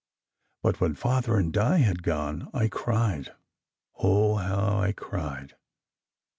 But when Father and Di had gone, I cried oh, how I cried!